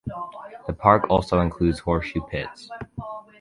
The park also includes horseshoe pits.